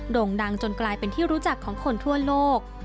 ่งดังจนกลายเป็นที่รู้จักของคนทั่วโลก